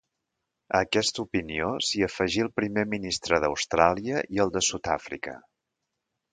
A aquesta opinió s'hi afegí el primer ministre d'Austràlia i el de Sud-àfrica.